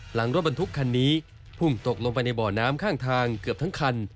หลังรถบรรทุกคันนี้พุ่งตกลงไปในบ่อน้ำข้างทางเกือบทั้งคัน